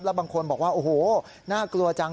บางคนบอกว่าโอ้โหน่ากลัวจัง